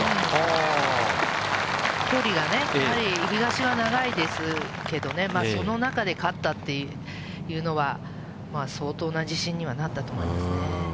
距離がね、やはり東は長いですけどね、その中で勝ったっていうのは、相当な自信にはなったと思いますね。